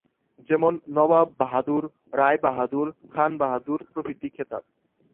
যেমন, নওয়াব বাহাদুর, রায় বাহাদুর, খান বাহাদুর প্রভৃতি খেতাব।